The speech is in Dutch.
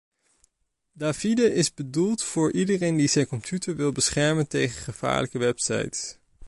Davide is bedoeld voor iedereen die zijn computer wil beschermen tegen gevaarlijke websites.